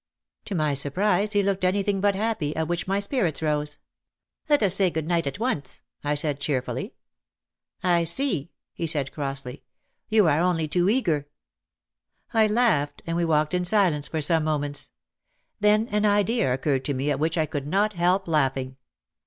To my surprise he looked anything but happy, at which my spirits rose. "Let us say good night at once," I said cheerfully. "I see," he said crossly; "you are only too eager." I laughed and we walked in silence for some moments. Then an idea occurred to me at which I could not help laughing.